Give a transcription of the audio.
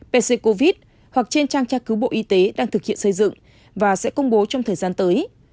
pc covid hoặc trên trang tra cứu bộ y tế đang thực hiện xây dựng và sẽ công bố trong thời gian tới